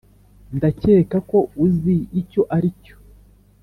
ndakeka ko uzi icyo aricyo.